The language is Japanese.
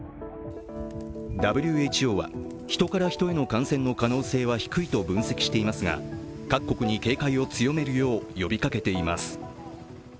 ＷＨＯはヒトからヒトへの感染の可能性は低いと分析していますが、各国に警戒を強めるよう呼びかけています。